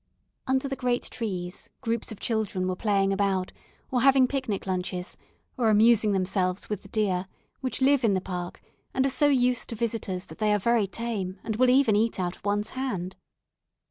Under the great trees, groups of children were playing about, or having picnic lunches, or amusing themselves with the deer, which live in the park, and are so used to visitors that they are very tame, and will even eat out of one's hand.